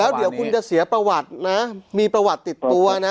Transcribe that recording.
เดี๋ยวคุณจะเสียประวัตินะมีประวัติติดตัวนะ